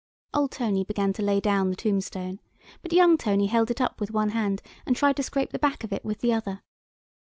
Old Tony began to lay down the tombstone, but young Tony held it up with one hand and tried to scrape the back of it with the other.